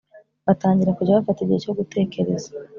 batangira kujya bafata igihe cyo gutekereza